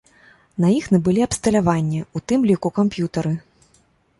На іх набылі абсталяванне, у тым ліку камп'ютары.